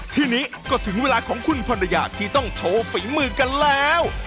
ทีนี้ก็ถึงเวลาของคุณภรรยาที่ต้องโชว์ฝีมือกันแล้ว